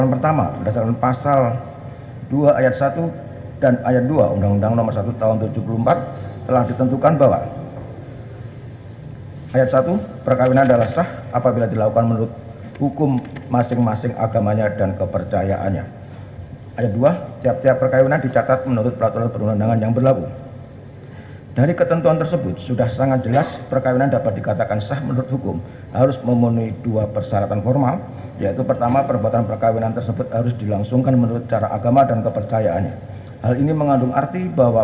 pertama penggugat akan menerjakan waktu yang cukup untuk menerjakan si anak anak tersebut yang telah menjadi ilustrasi